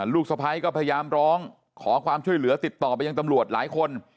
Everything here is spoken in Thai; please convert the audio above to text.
ลูกสะพ้ายก็พยายามร้องขอความช่วยเหลือติดต่อไปยังตำรวจหลายคน